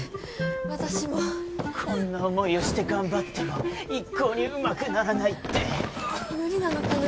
私もこんな思いをして頑張っても一向にうまくならないって無理なのかな